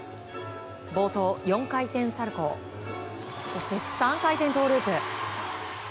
冒頭、４回転サルコウそして３回転トウループ。